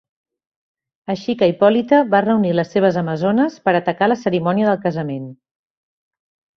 Així que Hipòlita va reunir les seves amazones per atacar la cerimònia del casament.